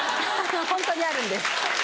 ホントにあるんです。